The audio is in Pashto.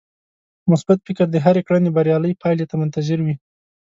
مثبت فکر د هرې کړنې بريالۍ پايلې ته منتظر وي.